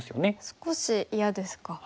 少し嫌ですか。